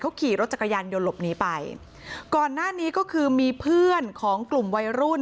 เขาขี่รถจักรยานยนต์หลบหนีไปก่อนหน้านี้ก็คือมีเพื่อนของกลุ่มวัยรุ่น